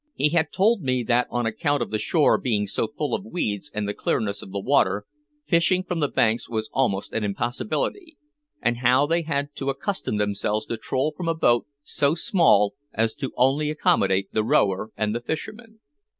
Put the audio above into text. He had told me that on account of the shore being so full of weeds and the clearness of the water, fishing from the banks was almost an impossibility, and how they had to accustom themselves to troll from a boat so small as to only accommodate the rower and the fisherman.